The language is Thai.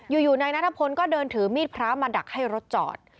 อยู่นายนัทพลก็เดินถือมีดพระมาดักให้รถจอด